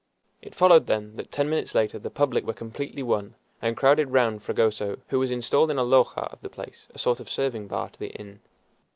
It followed, then, that ten minutes later the public were completely won, and crowded round Fragoso, who was installed in a "loja" of the place, a sort of serving bar to the inn.